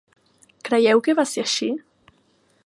Creieu que va ser així?